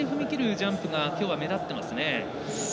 ジャンプがきょうは目立ってますね。